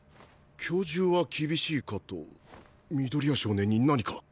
今日中は厳しいかと緑谷少年に何か！？